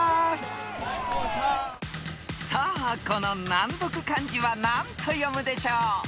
［さあこの難読漢字は何と読むでしょう？］